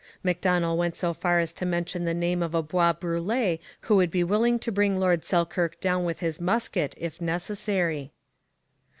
Macdonell went so far as to mention the name of a Bois Brûlé who would be willing to bring Lord Selkirk down with his musket, if necessary.